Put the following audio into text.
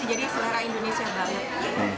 jadi selera indonesia banget